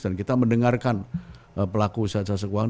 dan kita mendengarkan pelaku sejasa keuangan